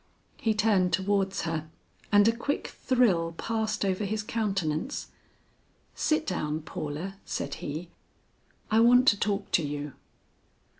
He turned towards her and a quick thrill passed over his countenance. "Sit down, Paula," said he, "I want to talk to you."